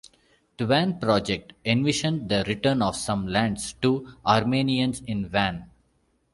The Van Project envisioned the return of some lands to Armenians in Van.